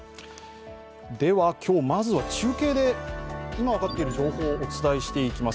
今日、まずは中継で、今分かっている情報をお伝えしていきます。